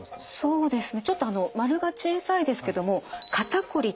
そうですね